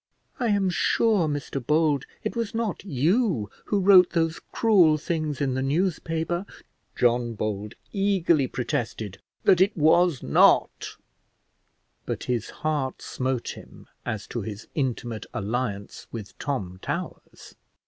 I am sure, Mr Bold, it was not you who wrote those cruel things in the newspaper " John Bold eagerly protested that it was not, but his heart smote him as to his intimate alliance with Tom Towers.